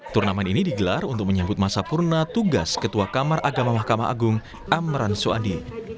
turnamen ini digelar untuk menyambut masa purna tugas ketua kamar agama mahkamah agung amran soandi